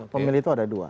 pemilih itu ada dua